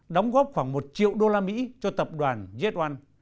đóng góp khoảng một triệu đô la mỹ cho tập đoàn zoan